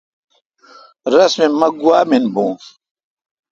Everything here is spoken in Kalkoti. رس می مہ گوا من بھو اؘ۔